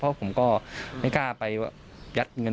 เพราะผมก็ไม่กล้าไปยัดเงิน